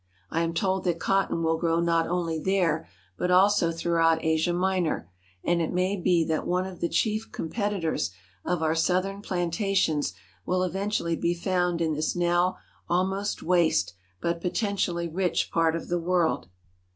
I am told that cotton will grow not only there but also throughout Asia Minor, and it may be that one of the chief competitors of our Southern plantations will even tually be found in this now almost waste but potentially rich part of the world.